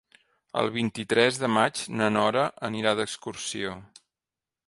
El vint-i-tres de maig na Nora anirà d'excursió.